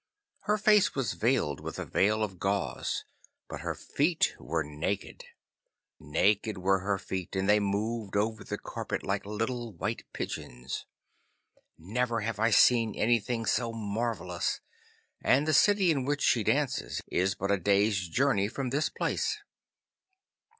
Her face was veiled with a veil of gauze, but her feet were naked. Naked were her feet, and they moved over the carpet like little white pigeons. Never have I seen anything so marvellous; and the city in which she dances is but a day's journey from this place.